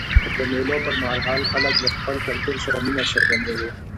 د مېلو پر مهال خلک له خپل کلتور سره مینه څرګندوي.